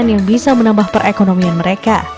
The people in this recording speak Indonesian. dan yang bisa menambah perekonomian mereka